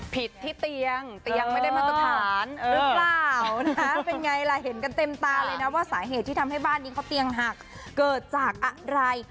ที่เตียงแต่ยังไม่ได้มาตรฐานหรือเปล่านะเป็นไงล่ะเห็นกันเต็มตาเลยนะว่าสาเหตุที่ทำให้บ้านนี้เขาเตียงหักเกิดจากอะไร